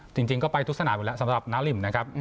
จริงก็ไปทุกสนามอยู่แล้วสำหรับน้าริมนะครับ